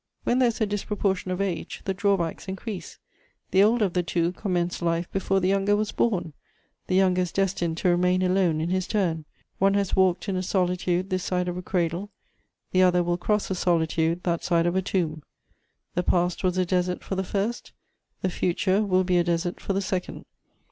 When there is a disproportion of age, the drawbacks increase: the older of the two commenced life before the younger was born; the younger is destined to remain alone in his turn: one has walked in a solitude this side of a cradle, the other will cross a solitude that side of a tomb; the past was a desert for the first, the future will be a desert for the second.